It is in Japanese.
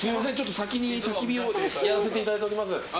先に、たき火をやらせていただいています。